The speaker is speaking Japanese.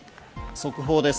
速報です。